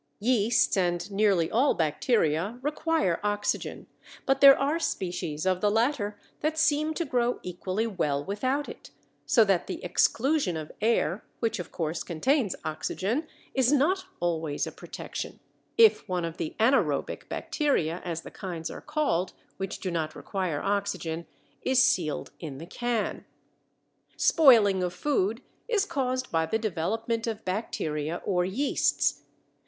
Yeasts and nearly all bacteria require oxygen, but there are species of the latter that seem to grow equally well without it, so that the exclusion of air, which, of course, contains oxygen, is not always a protection, if one of the anaerobic bacteria, as the kinds are called which do not require oxygen, is sealed in the can. Spoiling of food is caused by the development of bacteria or yeasts.